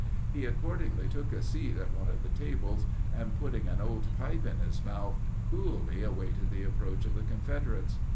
He accordingly took a seat at one of the tables, and, putting an old pipe in his mouth, coolly awaited the approach of the Confederates.